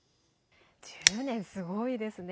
１０年すごいですね。